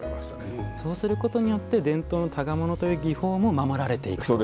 そうすることによって伝統の箍物という技法も守られていくという。